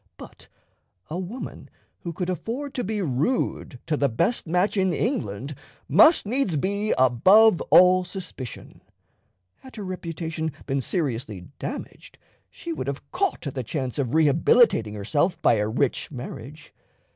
But a woman who could afford to be rude to the best match in England must needs be above all suspicion. Had her reputation been seriously damaged she would have caught at the chance of rehabilitating herself by a rich marriage.